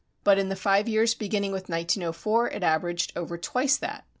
But in the five years beginning with 1904 it averaged over twice that.